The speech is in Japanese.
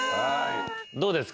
どうですか？